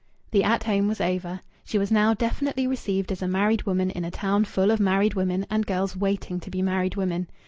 The At Home was over. She was now definitely received as a married woman in a town full of married women and girls waiting to be married women.